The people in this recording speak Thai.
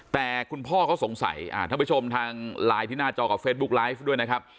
แต่คุณพ่อเขาสงสัยท่านผู้ชมทางไลน์ที่หน้าจอกับเฟซบุ๊กไลฟ์ด้วยนะครับ